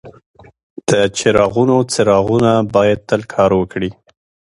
د چراغونو څراغونه باید تل کار وکړي.